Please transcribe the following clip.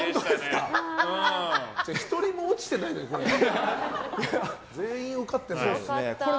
１人も落ちてないのよ、これ。